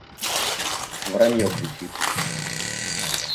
Воронье кричит.